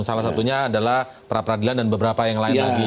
salah satunya adalah pra peradilan dan beberapa yang lain lagi